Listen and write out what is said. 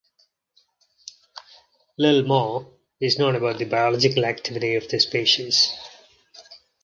Little more is known about the biological activity of this species.